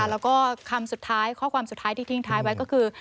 แล้วก็คำสุดท้ายข้อความสุดท้ายที่ทิ้งท้ายไว้ก็คือ